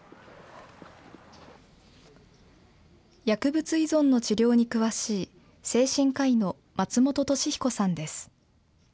薬物依存の治療に詳しい精神科医の松本俊彦さんです。